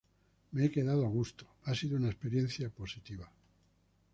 Me he quedado a gusto, ha sido una experiencia positiva.